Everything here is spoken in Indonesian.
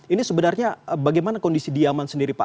ini sebenarnya bagaimana kondisi diaman sendiri pak